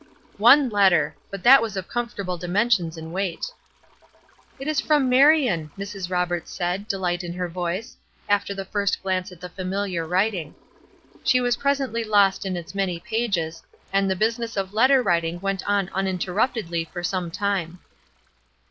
One letter! but that was of comfortable dimensions and weight. "It is from Marion," Mrs. Roberts said, delight in her voice, after the first glance at the familiar writing. She was presently lost in its many pages, and the business of letter writing went on uninterruptedly for some time.